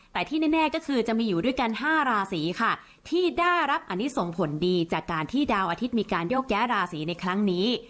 แต่ที่แน่ก็คือจะมีอยู่ด้วยกัน๕ราศีค่ะที่ได้รับอันนี้ส่งผลดีจากการที่ดาวอาทิตย์มีการโยกย้ายราศีในครั้งนี้